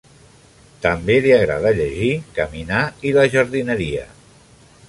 També li agrada llegir, caminar i la jardineria.